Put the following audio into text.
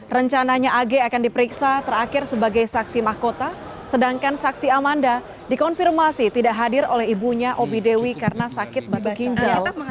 rencananya ag akan diperiksa terakhir sebagai saksi mahkota sedangkan saksi amanda dikonfirmasi tidak hadir oleh ibunya obi dewi karena sakit batu ginjal